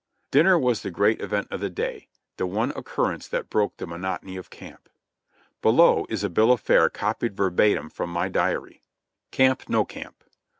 Dinner was the great event of the day — the one occurrence that broke the monotony of camp. Below is a bill of fare copied verbatim from my diary: CAMP NO CAMP.